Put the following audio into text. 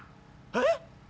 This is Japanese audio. えっ？